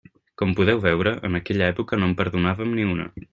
Com podeu veure, en aquella època no en perdonàvem ni una.